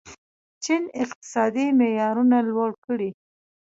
چین اقتصادي معیارونه لوړ کړي.